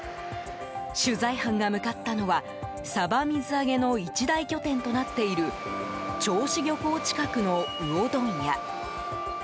取材班が向かったのはサバ水揚げの一大拠点となっている銚子漁港近くの魚問屋。